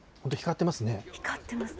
光ってますね。